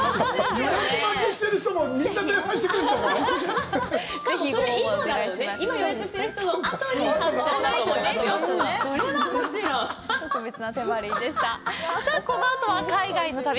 さあ、このあとは海外の旅。